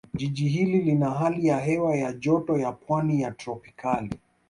Jiji hili lina hali ya hewa ya Joto ya Pwani ya Tropicali